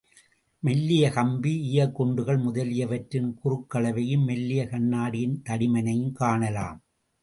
மெல்லிய கம்பி, ஈயக்குண்டுகள் முதலியவற்றின் குறுக் களவையும் மெல்லிய கண்ணாடியின் தடிமனையும் காணலாம்.